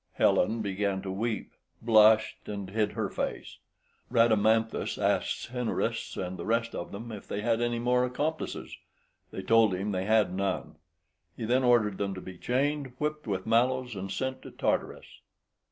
Helen began to weep, blushed, and hid her face. Rhadamanthus asked Cinyrus and the rest of them if they had any more accomplices: they told him they had none. He then ordered them to be chained, whipped with mallows, and sent to Tartarus.